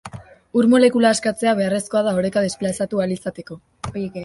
Ur molekula askatzea beharrezkoa da oreka desplazatu ahal izateko.